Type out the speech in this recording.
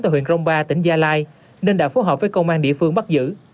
từ huyện rong ba tỉnh gia lai nên đã phối hợp với công an địa phương bắt giữ